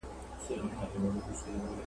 د وطن پر جګو غرو نو د اسیا د کور ښاغلی ..